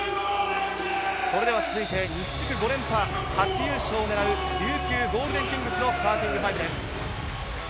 それでは続いて、西地区５連覇、初優勝をねらう、琉球ゴールデンキングスのスターティングファイブです。